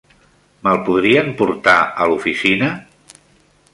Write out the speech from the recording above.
Me'l podrien portar a l'oficina?